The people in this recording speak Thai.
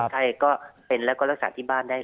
ใครก็เป็นแล้วก็รักษาที่บ้านได้